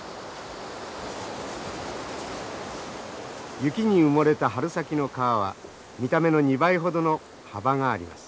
雪に埋もれた春先の川は見た目の２倍ほどの幅があります。